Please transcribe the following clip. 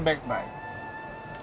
pernikahan itu adalah sesuatu yang sakral